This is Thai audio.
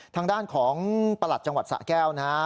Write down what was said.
ทางด้านของประหลัดจังหวัดสะแก้วนะฮะ